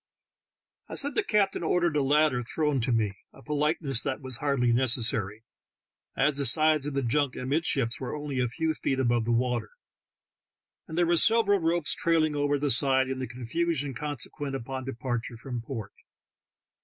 " I said the captain ordered a ladder thrown to me, a politeness that was hardly necessary, as the sides of the junk amidships were only a few feet above the water, and there were several ropes trailing over the side in the confusion consequent THE TALKING HANDKERCHIEF. 15 Upon departure from port.